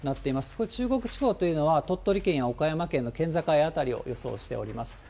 これ、中国地方というのは鳥取県や岡山県の県境辺りを予想しております。